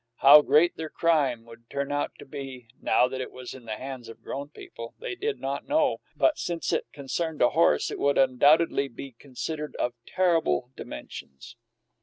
How great their crime would turn out to be (now that it was in the hands of grown people), they did not know, but, since it concerned a horse, it would undoubtedly be considered of terrible dimensions.